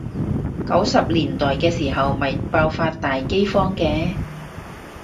九十年代嘅時候咪爆發大饑荒嘅？